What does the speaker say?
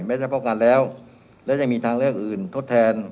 ไม่ใช่ป้องกันแล้วและยังมีทางเลือกอื่นทดแทน